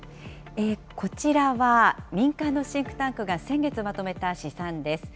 こちらは民間のシンクタンクが先月まとめた試算です。